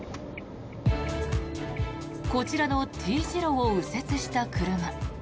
こちらのＴ字路を右折した車。